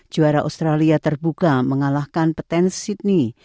juara australia terbuka mengalahkan petensi sydney